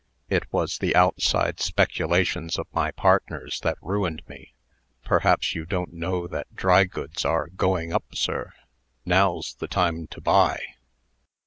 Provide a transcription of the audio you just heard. It was the outside speculations of my partners that ruined me. Perhaps you don't know that dry goods are going up, sir? Now's the time to buy."